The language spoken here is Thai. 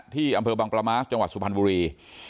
ที่อำเภอบังประมาทจังหวัดสุพรรณบุรี